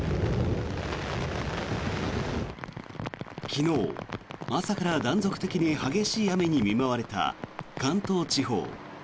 昨日、朝から断続的に激しい雨に見舞われた関東地方。